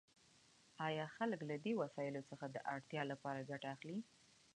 آیا خلک له دې وسایلو څخه د اړتیاوو لپاره ګټه اخلي؟